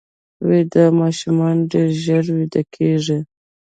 ویده ماشومان ډېر ژر ویده کېږي